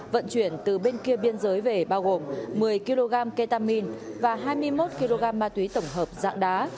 vận chuyển từ bên kia biên giới về bao gồm một mươi kg ketamine và hai mươi một kg ma túy tổng hợp dạng đá